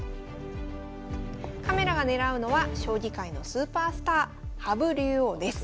カメラが狙うのは将棋界のスーパースター羽生竜王です。